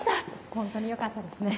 ホントによかったですね。